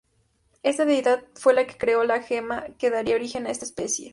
Esta deidad fue la que creó la Gema que daría origen a esta especie.